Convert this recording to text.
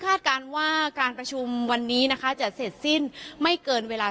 การว่าการประชุมวันนี้นะคะจะเสร็จสิ้นไม่เกินเวลา